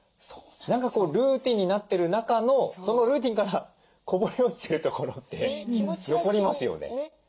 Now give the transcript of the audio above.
何かルーティンになってる中のそのルーティンからこぼれ落ちてるところって残りますよね。